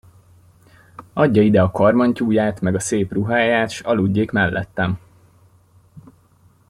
Adja ide a karmantyúját meg a szép ruháját, s aludjék mellettem!